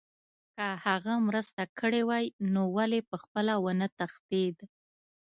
که هغه مرسته کړې وای نو ولې پخپله ونه تښتېد